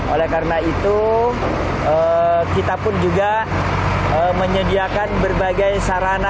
oleh karena itu kita pun juga menyediakan berbagai sarana